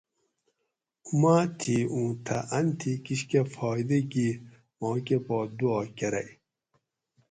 اُماد تھی اوں تھہ ان تھی کشکہ فایٔدہ گی ما کہ پا دُعا کرئ